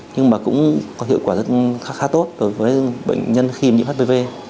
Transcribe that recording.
nhưng mà cũng có hiệu quả rất khá tốt với bệnh nhân khi nhiễm hpv